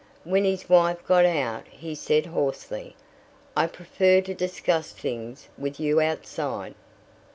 When his wife got out he said hoarsely: "I prefer to discuss things with you outside."